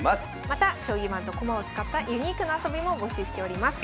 また将棋盤と駒を使ったユニークな遊びも募集しております。